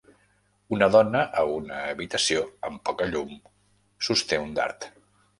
Una dona a una habitació amb poca llum sosté un dard